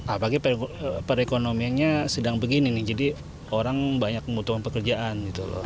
apalagi perekonomiannya sedang begini nih jadi orang banyak membutuhkan pekerjaan gitu loh